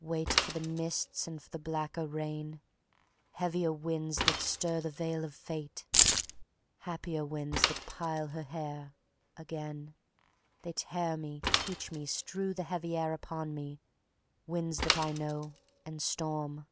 Wait for the mists and for the blacker rain— Heavier winds that stir the veil of fate, Happier winds that pile her hair; Again They tear me, teach me, strew the heavy air Upon me, winds that I know, and storm.